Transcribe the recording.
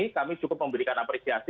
kami cukup memberikan apresiasi